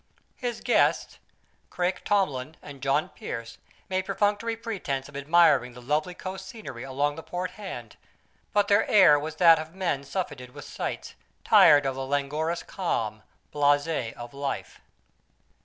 His guests, Craik Tomlin and John Pearse, made perfunctory pretense of admiring the lovely coast scenery along the port hand; but their air was that of men surfeited with sights, tired of the languorous calm, blasé of life.